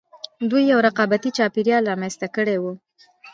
دوی یو رقابتي چاپېریال رامنځته کړی و